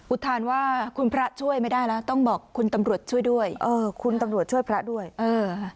ทานว่าคุณพระช่วยไม่ได้แล้วต้องบอกคุณตำรวจช่วยด้วยเออคุณตำรวจช่วยพระด้วยเออ